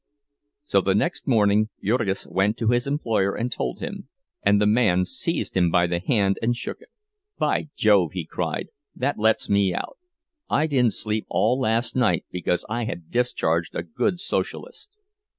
So the next morning Jurgis went to his employer and told him; and the man seized him by the hand and shook it. "By Jove!" he cried, "that lets me out. I didn't sleep all last night because I had discharged a good Socialist!"